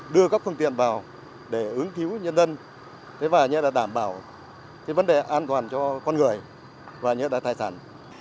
đưa các phương tiện vào để ứng cứu nhân dân và đảm bảo vấn đề an toàn cho con người và nhất là tài sản